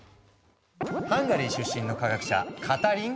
ハンガリー出身の科学者カタリン・カリコ。